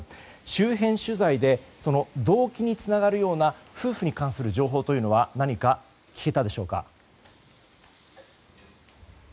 周辺取材で動機につながるような夫婦に関する情報は何か聞けたでしょうか。